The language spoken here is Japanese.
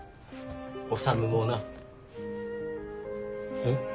修もな。えっ？